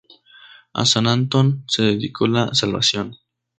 A San Antón se dedicó la salvación.